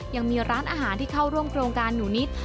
ยังมีร้านอาหารที่เข้าร่วมโครงการหนูนิด